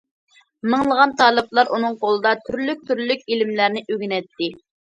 مىڭلىغان تالىپلار ئۇنىڭ قولىدا تۈرلۈك- تۈرلۈك ئىلىملەرنى ئۆگىنەتتى.